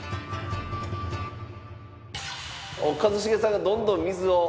一茂さんがどんどん水を。